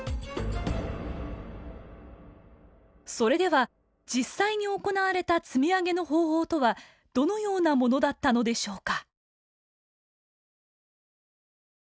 それでは実際に行われた積み上げの方法とはどのようなものだったのでしょうか？